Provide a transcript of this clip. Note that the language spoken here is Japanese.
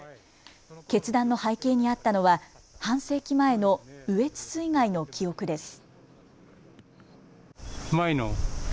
決断の背景にあったのは半世紀前の羽越水害の記憶です。